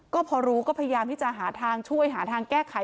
ก็พอรู้ก็พยายามที่จะหาทางช่วยหาทางแก้ไข